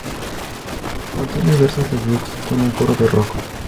Contiene versos de blues con un coro de rock.